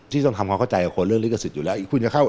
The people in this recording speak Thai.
ต้องทำความเข้าใจกับคนเรื่องลิขสิทธิ์อยู่แล้วอีกเพิ่งจะเข้า